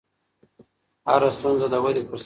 هره ستونزه د ودې فرصت دی.